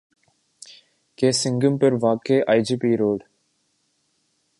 کے سنگم پر واقع آئی جے پی روڈ